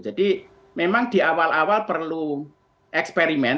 jadi memang di awal awal perlu eksperimen